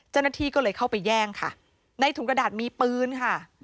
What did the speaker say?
เจ้าหน้าที่ก็เลยเข้าไปแย่งค่ะในถุงกระดาษมีปืนค่ะ